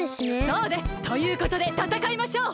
そうです！ということでたたかいましょう！